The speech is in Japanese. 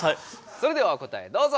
それではお答えどうぞ！